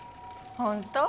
ホント？